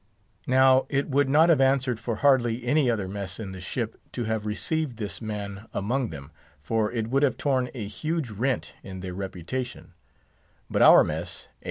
Now it would not have answered for hardly any other mess in the ship to have received this man among them, for it would have torn a huge rent in their reputation; but our mess, A.